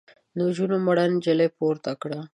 نجونو مړه نجلۍ پورته کړه.